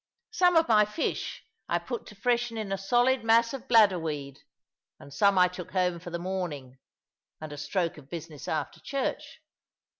Some of my fish I put to freshen in a solid mass of bladder weed, and some I took home for the morning, and a stroke of business after church.